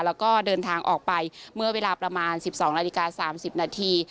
แล้วก็เดินทางออกไปเมื่อเวลาประมาณ๑๒นาฬิกา๓๐นาที